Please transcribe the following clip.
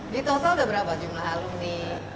di total ada berapa jumlah alumni